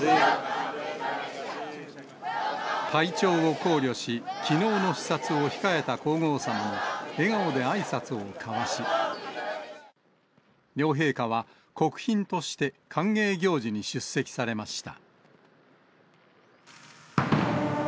体調を考慮し、きのうの視察を控えた皇后さまも笑顔であいさつを交わし、両陛下は国賓として歓迎行事に出席されました。